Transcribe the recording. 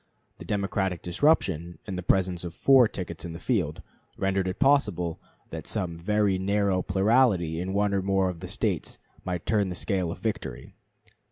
The Democratic disruption, and the presence of four tickets in the field, rendered it possible that some very narrow plurality in one or more of the States might turn the scale of victory.